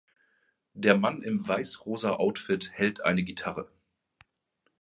Der Mann im weiß-rosa Outfit hält eine Gitarre.